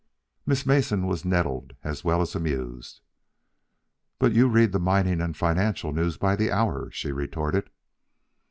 Miss Mason was nettled as well as amused. "But you read the mining and financial news by the hour," she retorted.